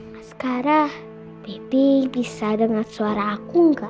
mas kara bebe bisa dengar suara aku nggak